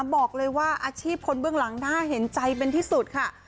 บอกเลยว่าอาชีพคนเบื้องหลังน่าเห็นใจเป็นที่สุดค่ะ